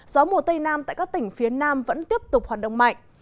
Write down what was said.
gió mùa tây nam tại các tỉnh phía nam vẫn tiếp tục hoạt động mạnh